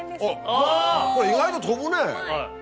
うわこれ意外と飛ぶね。